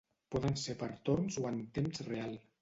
Poden ser per torns o en temps real.